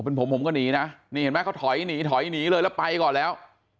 เป็นผมผมก็หนีนะนี่เห็นไหมเขาถอยหนีถอยหนีเลยแล้วไปก่อนแล้ว